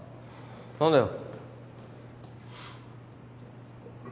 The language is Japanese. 何だよ。